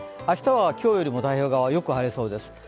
明日は今日よりも太平洋側よく晴れそうです。